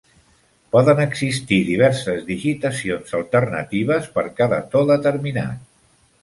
Poden existir diverses digitacions alternatives per cada to determinat.